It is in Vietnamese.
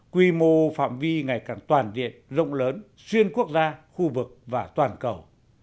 quy mô phạm vi ngày càng toàn diện rộng lớn xuyên quốc gia khu vực và toàn cầu